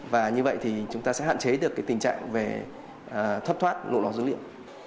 và như vậy thì chúng ta sẽ hạn chế được tình trạng về thoát thoát nội lò dữ liệu